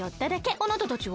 あなたたちは？